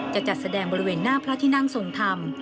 จะจัดแสดงบริเวณหน้าพระที่นั่งทรงธรรม